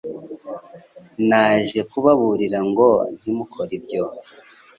Naje kubaburira ngo ntimukore ibyo